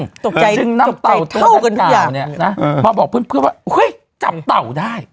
จบใจเท่ากันทุกอย่างจบใจเท่ากันทุกอย่างเนี่ยมาบอกเพื่อนว่าอุ้ยจำเตาได้